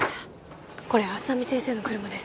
これ浅見先生の車です